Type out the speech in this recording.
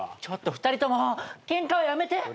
ちょっと２人ともケンカはやめて。